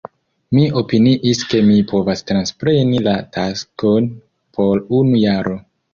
Mi opiniis ke mi povas transpreni la taskon por unu jaro.